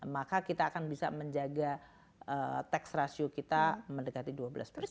maka kita akan bisa menjaga tax ratio kita mendekati dua belas persen